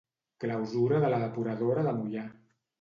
Clausura de la depuradora de Moià.